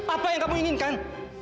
apa yang kamu inginkan